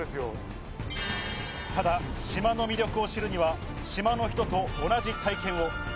ただ島の魅力を知るには、島の人と同じ体験を。